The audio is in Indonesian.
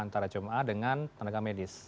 antara jemaah dengan tenaga medis